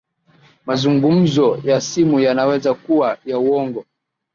mazungumzo ya simu yanaweza kuwa ya uongo